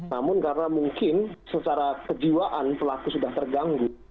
namun karena mungkin secara kejiwaan pelaku sudah terganggu